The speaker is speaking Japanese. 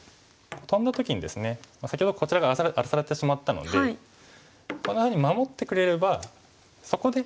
先ほどこちら側荒らされてしまったのでこんなふうに守ってくれればそこで。